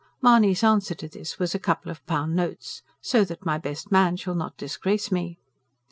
Mahony's answer to this was a couple of pound notes: SO THAT MY BEST MAN SHALL NOT DISGRACE ME!